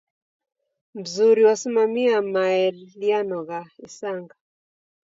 Mzuri wasimamia maeliano gha isanga.